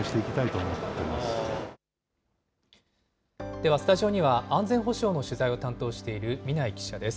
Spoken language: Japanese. ではスタジオには、安全保障の取材を担当している南井記者です。